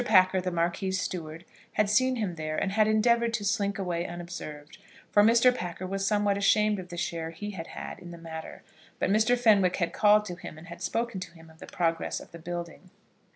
Packer, the Marquis's steward, had seen him there, and had endeavoured to slink away unobserved, for Mr. Packer was somewhat ashamed of the share he had had in the matter, but Mr. Fenwick had called to him, and had spoken to him of the progress of the building.